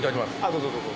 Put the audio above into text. どうぞどうぞ。